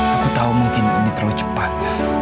aku tahu mungkin ini terlalu cepat